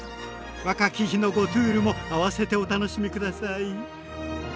若き日のゴトゥールも併せてお楽しみ下さい。